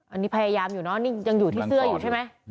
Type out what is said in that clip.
อันนี้พยายามอยู่เนอะนี่ยังอยู่ที่เสื้ออยู่ใช่ไหม